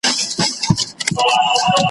د دښمن کره ځم دوست مي ګرو دی ,